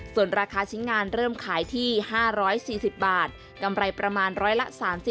ส่วนราคาชิ้นงานเริ่มขายที่๕๔๐บาทกำไรประมาณร้อยละ๓๐